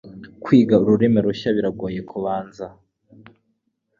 Kwiga ururimi rushya biragoye kubanza.